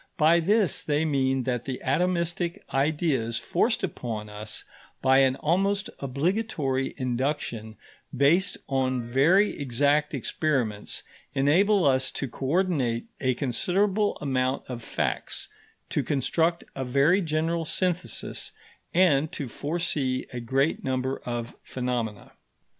By this they mean that the atomistic ideas forced upon us by an almost obligatory induction based on very exact experiments, enable us to co ordinate a considerable amount of facts, to construct a very general synthesis, and to foresee a great number of phenomena.